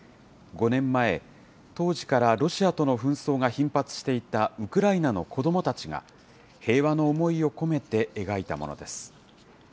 ５年前、当時からロシアとの紛争が頻発していたウクライナの子どもたちが、平和の思いを込めて描いたものです。